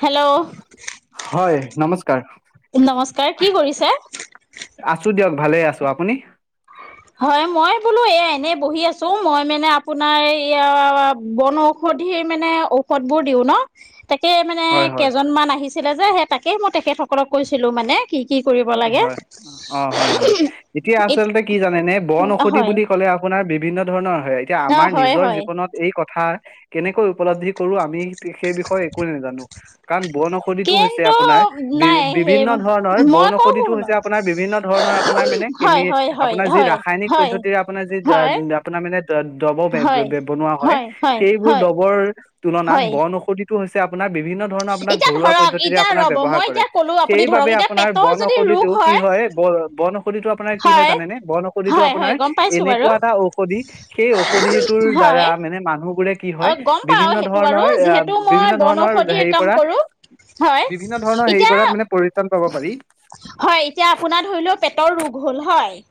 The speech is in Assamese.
হেল্ল' হয় নমস্কাৰ নমস্কাৰ কি কৰিছে আছো দিয়ক ভালে আছো আপুনি হয় মই বোলো এয়া এনেই বহি আছো মই মানে আপোনাৰ এয়া বনঔষধিৰ মানে ঔষধ বোৰ দিও ন তাকে মানে হয় হয় কেইজন মমান আহিছে ছিলে যে সেই তাকে মই তেখেতসকলক কৈছিলো মানে কি কি কৰিব লাগে। হয় অ হয় হয় এতিয়া আচলতে কি জানে নে বন ঔষধি হয় বুলি ক'লে আ আপোনাৰ বিভিন্ন ধৰণৰ হয় এতিয়া অ আমাৰ হয় নিজৰ হয় জীৱনত এই কথা সাৰ কেনেকৈ উপলব্ধি কৰো আমি সেই বিষয়ে একোৱে নাজানো কাৰণ বন ঔষধিটো হৈছে কিন্তু আপোনাৰ বি নাই সেই বিভিন্ন ধৰণৰ মই বন ঔষধ কওঁ ঔষধিটো হৈছে শুনক আপোনাৰ বিভিন্ন ধৰণৰ আপোনাৰ মানে হয় কেমি হয় হয় আপোনাৰ যি হয় ৰাসায়নিক হয় পদ্ধতিৰে আপোনাৰ যি হয় আপোনাৰ মানে ডব হয় বনোৱা হয় সেইবোৰ দ্ৰবৰ তুলনাত হয় বন ঔষধি হৈছে আপোনাক বিভিন্ন ধৰণৰ আপোনাৰ এতিয়া ঘৰুৱা ধৰক পদ্ধতিৰে এতিয়া আপোনাৰ ৰ'ব ব্যৱহাৰ মই কৰে এতিয়া ক'লো আপুনি ধৰক সেইবাবে এতিয়া আপোনাৰ পেটৰ বন যদি ৰোগ ঔষধিটো কি হয় ব বন ঔষধিটো আপোনাৰ কি হয় জানেনেে বন ঔষধিটো হয় হয় আপোনাৰ গম পাইছো বাৰু এনেকুৱা এটা ঔষধি সেই ঔষধি ৰ দ্বাৰা হয় মানে মানুহবোৰে কি অ হয় গম পাও বিভিন্ন সেইটো বাৰু ধৰণৰ যিহেতু এ মই বিভিন্ন ধৰণৰ বনৌষধিৰ হেৰিৰ কাম পৰা কৰো হয় বিভিন্ন ধৰণৰ হেৰি এতিয়া পৰা মানে পৰিত্ৰণ পাব পাৰি হয় এতিয়া আপোনাৰ ধৰি লও পেটৰ ৰোগ হ'ল হয়